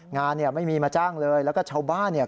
งานเนี่ยไม่มีมาจ้างเลยแล้วก็ชาวบ้านเนี่ย